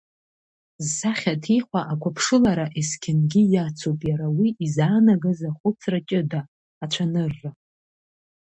Зсахьа ҭихуа ақәыԥшылара есқьынгьы иацуп иара уи изаанагаз ахәыцра ҷыда, ацәанырра.